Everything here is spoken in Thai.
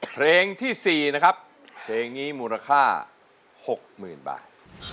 เพลงที่๔นะครับเพลงนี้มูลค่า๖๐๐๐บาท